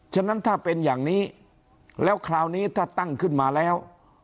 ฉะนั้นถ้าเป็นอย่างนี้แล้วคราวนี้ถ้าตั้งขึ้นมาแล้ว